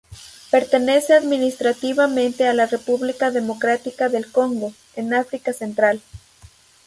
Pertenece administrativamente a la República Democrática del Congo, en África Central.